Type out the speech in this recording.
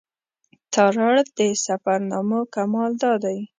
تارړ د سفرنامو کمال دا دی.